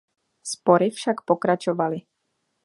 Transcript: Spory však pokračovaly.